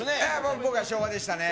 僕は昭和でしたね。